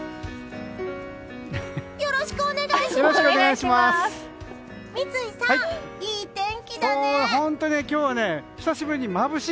よろしくお願いします！